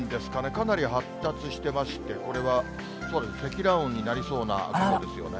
かなり発達してまして、これは積乱雲になりそうな雲ですよね。